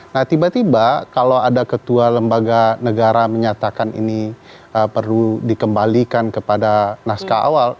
nah tiba tiba kalau ada ketua lembaga negara menyatakan ini perlu dikembalikan kepada naskah awal